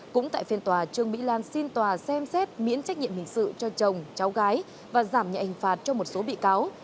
cũng tại phiên tòa trương mỹ lan xin tòa xem xét miễn trách nhiệm hình sự cho chồng cháu gái và giảm nhạy ảnh phạt cho một số bị cáo